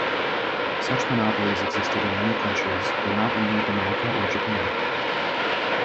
Such monopolies existed in many countries, though not in North America or Japan.